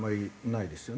ない？